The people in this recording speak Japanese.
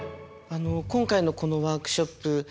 今回のこのワークショップ